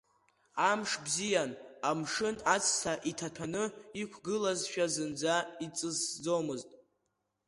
Амш бзиан, амшын аҵәца иҭаҭәаны иқәгылазшәа зынӡа иҵысӡомызт.